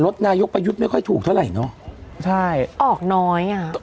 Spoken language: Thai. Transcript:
รถนายกมายุดไม่ค่อยถูกเท่าไรเนาะใช่ออกน้อยอ่ะเมื่อ